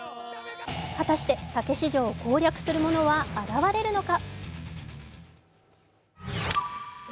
果たしてたけし城を攻略する者は現れるのか？